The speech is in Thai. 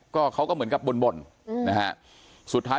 ก็เขาก็เหมือนกับบ่นนะฮะสุดท้าย